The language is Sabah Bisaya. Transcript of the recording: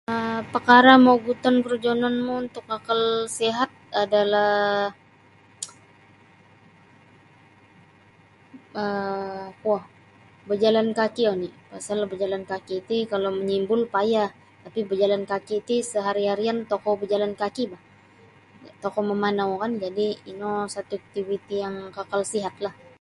um pakara mau oguton korojononmu untuk kakal sihat adalah um kuo bajalan kaki oni pasal bajalan kaki ti kalau manyimbul payah tapi bajalan kaki ti sehari-harian tokou bajalan kaki bah tokou mamanau kan jadi ino suatu iktiviti yang kakal sihatlah.